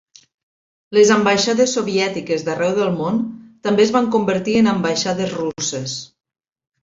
Les ambaixades soviètiques d'arreu del món també es van convertir en ambaixades russes.